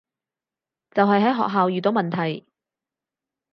就係喺學校遇到問題